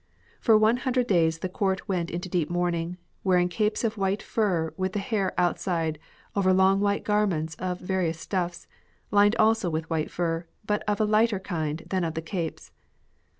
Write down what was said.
For one hundred days the Court went into deep mourning, wearing capes of white fur with the hair outside over long white garments of various stuffs, lined also with white fur, but of a lighter kind than that of the capes.